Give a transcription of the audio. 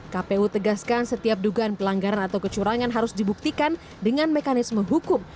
kpu tegaskan setiap dugaan pelanggaran atau kecurangan harus dibuktikan dengan mekanisme hukum